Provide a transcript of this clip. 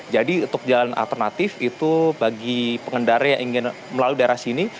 jadi untuk jalan alternatif itu bagi pengendara yang ingin melalui daerah sini